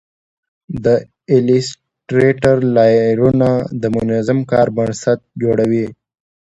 د ایلیسټریټر لایرونه د منظم کار بنسټ جوړوي.